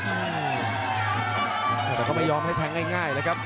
แต่ก็ไม่ยอมให้แทงง่ายเลยครับ